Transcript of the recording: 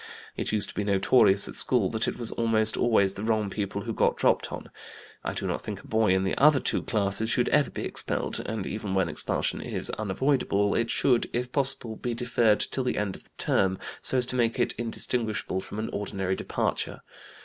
It used to be notorious at school that it was almost always the wrong people who got dropped on. I do not think a boy in the other two classes should ever be expelled, and even when expulsion is unavoidable, it should, if possible, be deferred till the end of the term, so as to make it indistinguishable from an ordinary departure.